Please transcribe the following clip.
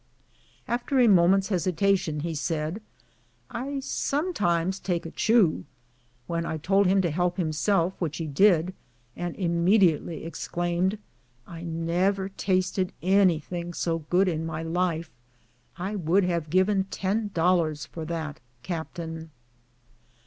After a moment's hesitation, he said, ^^ I sometimes take a chew^'' when I told him to help himself, which he did, and immediately exclaimed, " I never tasted any thing so good in my life ; I would have given ten dollars for that, cap tain."